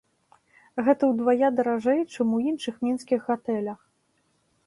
Гэта ўдвая даражэй, чым у іншых мінскіх гатэлях.